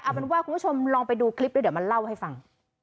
เอาเป็นว่าคุณผู้ชมลองไปดูคลิปด้วยเดี๋ยวมันเล่าให้ฟัง